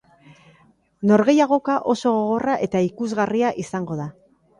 Norgehiagoka oso gogorra eta ikusgarria izango da.